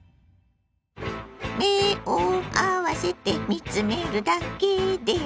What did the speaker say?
目を合わせて見つめるだけでＵＦＯ